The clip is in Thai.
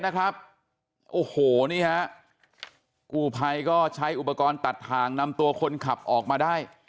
นะครับโอ้โหนี่ฮะกูภัยก็ใช้อุปกรณ์ตัดทางนำตัวคนขับออกมาได้